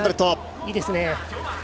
いいですね。